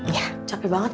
ya capek banget